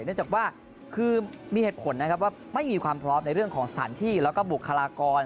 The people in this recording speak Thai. เนื่องจากว่ามีเหตุผลไม่มีความพร้อมในเรื่องของสถานที่และก็บุคลากร